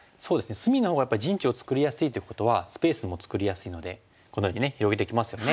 隅のほうがやっぱり陣地を作りやすいということはスペースも作りやすいのでこのように広げてきますよね。